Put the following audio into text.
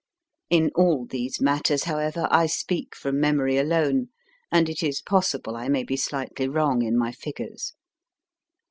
In all these matters, however, I speak from memory alone, and it is possible I may be slightly wrong in my figures.